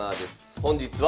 本日は。